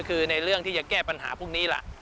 คือในเรื่องที่จะแก้ปัญหาพวกนี้ล่ะ